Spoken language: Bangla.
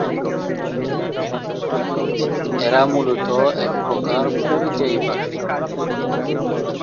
এরা মূলত একপ্রকার পরিযায়ী পাখি।